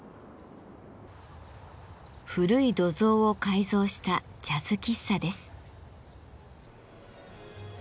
古い土蔵を改造した「ジャズ喫茶」です。